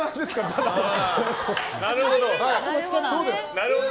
なるほど。